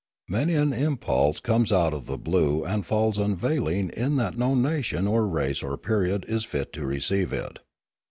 Many an impulse comes out of the blue and falls unavailing in that no nation or race or period is fit to receive it.